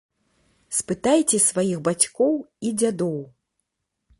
Спытайце сваіх бацькоў і дзядоў.